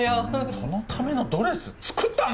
そのためのドレス作ったの！？